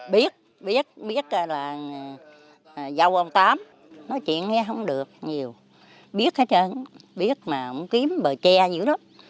biết biết biết là dâu ông tám nói chuyện nghe không được nhiều biết hết trơn biết mà ông kiếm bờ tre dữ lắm